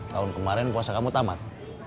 tahun kemarin puasa kamu tamat